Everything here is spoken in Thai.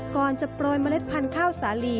ก่อนจะโปรยเมล็ดพันธุ์ข้าวสาลี